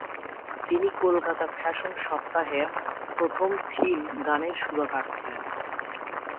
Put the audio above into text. তিনি কলকাতা ফ্যাশন সপ্তাহের প্রথম থিম গানের সুরকার ছিলেন।